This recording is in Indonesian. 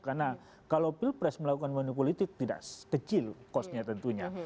karena kalau pilpres melakukan manipolitik tidak kecil kosnya tentunya